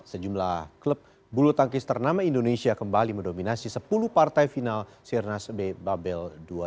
sejumlah klub bulu tangkis ternama indonesia kembali mendominasi sepuluh partai final sirnas b babel dua ribu dua puluh